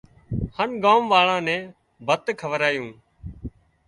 هانَ ڳام واۯان نين ڀت کارايُون